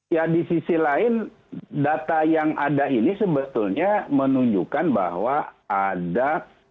ya di sisi lain data yang ada ini sebetulnya menunjukkan bahwa ada